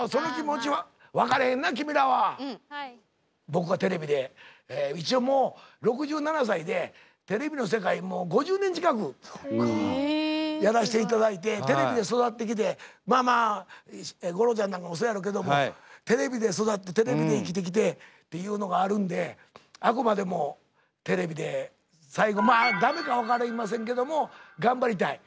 僕がテレビで一応もう６７歳でテレビの世界にもう５０年近くやらしていただいてテレビで育ってきてまあまあ吾郎ちゃんなんかもそやろけどもテレビで育ってテレビで生きてきてっていうのがあるんであくまでもテレビで最後まあ駄目か分かりませんけども頑張りたい。